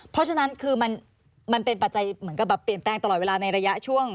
เพราะฉะนั้นคือมันเป็นปัจจัยเหมือนกับแบบเปลี่ยนแปลงตลอดเวลาในระยะช่วง